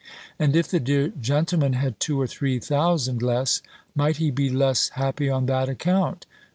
And if the dear gentleman had two or three thousand less, might he be less happy on that account?